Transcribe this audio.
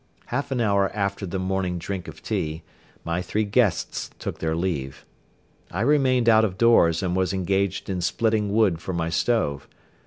'" Half an hour after the morning drink of tea, my three guests took their leave. I remained out of doors and was engaged in splitting wood for my stove.